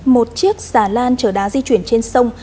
một chiếc xà lan chở đá di chuyển trên sông